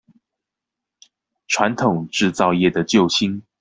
傳統製造業的救星